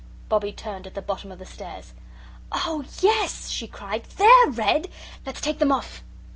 Bobbie turned at the bottom of the stairs. "Oh, yes," she cried; "THEY'RE red! Let's take them off."